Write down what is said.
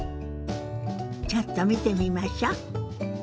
ちょっと見てみましょ。